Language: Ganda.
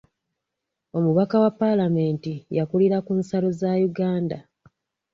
Omubaka wa palamenti yakulira ku nsalo za Uganda.